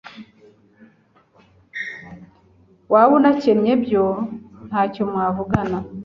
waba unakennye byo ntacyo mwavugana